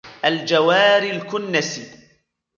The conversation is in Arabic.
الجوار الكنس